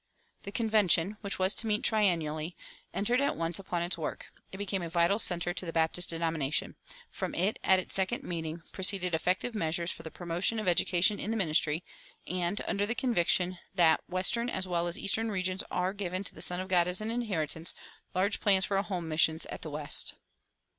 The Convention, which was to meet triennially, entered at once upon its work. It became a vital center to the Baptist denomination. From it, at its second meeting, proceeded effective measures for the promotion of education in the ministry, and, under the conviction that "western as well as eastern regions are given to the Son of God as an inheritance," large plans for home missions at the West.